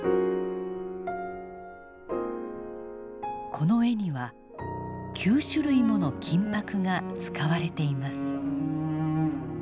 この絵には９種類もの金箔が使われています。